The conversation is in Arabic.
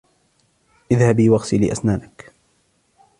إذهبي واغسلي أسنانك.